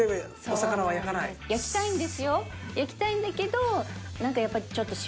焼きたいんだけど。